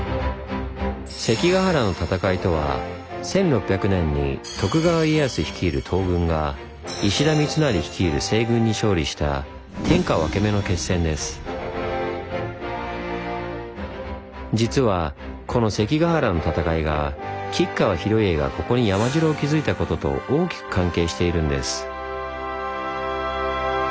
「関ケ原の戦い」とは１６００年に徳川家康率いる東軍が石田三成率いる西軍に勝利した実はこの関ケ原の戦いが吉川広家がここに山城を築いたことと大きく関係しているんです。